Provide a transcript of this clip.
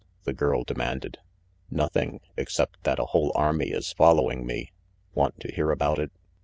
the girl demanded. "Nothing, except that a whole army is following me. Want to hear about it?"